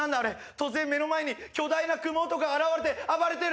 突然目の前に巨大なクモ男が現れて暴れてる。